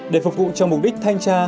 để phục vụ trong mục đích thanh tra